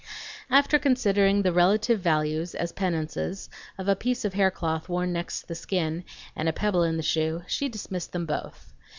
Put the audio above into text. After considering the relative values, as penances, of a piece of haircloth worn next the skin, and a pebble in the shoe, she dismissed them both.